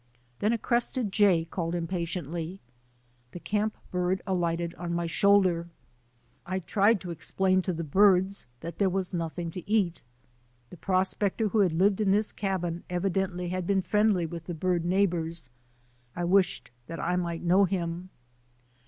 Then a crested jay called impatiently. 'The camp bird alighted on my shoulder. I tried ;to explain to the birds that there was nothing to 18 THE ADVENTURES OF A NATURE GUIDE eat. The prospector who had lived in this cabin evidently had been friendly with the bird neigh bours. I wished that I might know him.